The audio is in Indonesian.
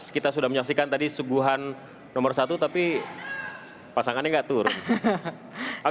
kita sudah menyaksikan tadi suguhan nomor satu tapi pasangannya nggak turun